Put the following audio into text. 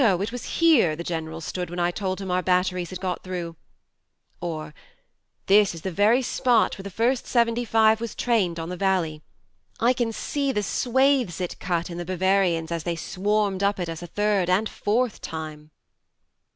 it was here the General stood when I told him our batteries had got through ..." or: "This is the very spot where the first seventy five was trained on the valley. I can see the swathes it cut in the Bavarians as they swarmed up at us a third and fourth time.